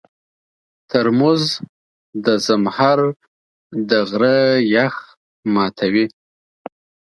ترموز د زمهر د غره یخ ماتوي.